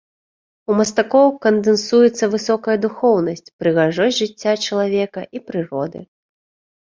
У мастакоў кандэнсуецца высокая духоўнасць, прыгажосць жыцця чалавека і прыроды.